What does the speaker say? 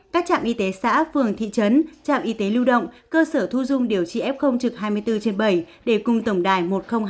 các trạm y tế xã phường thị trấn trạm y tế lưu động cơ sở thu dung điều trị f trực hai mươi bốn trên bảy để cùng tổng đài một trăm linh hai